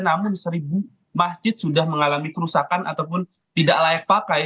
namun seribu masjid sudah mengalami kerusakan ataupun tidak layak pakai